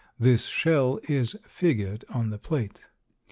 This shell is figured on the plate.